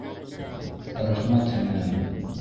Рәхмәт, һеңлем!